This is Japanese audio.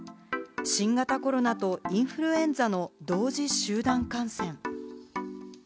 新型コロナとインフルエンザの同時集団感染。